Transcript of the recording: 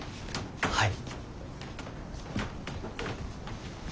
はい。